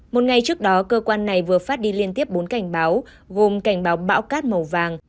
một ngày trước đó cơ quan này vừa phát đi liên tiếp bốn cảnh báo gồm cảnh báo bão cát màu vàng